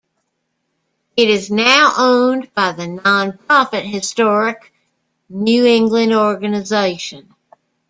It is now owned by the nonprofit Historic New England organization.